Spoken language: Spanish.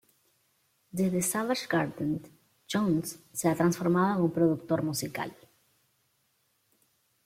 Desde Savage Garden, Jones se ha transformado en un productor musical.